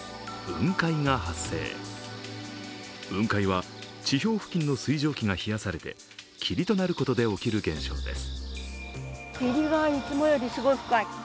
雲海は地表付近の水蒸気が冷やされて霧となることで起きる現象です。